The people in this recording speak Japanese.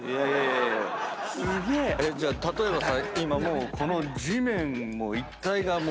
じゃあ例えばさ今この。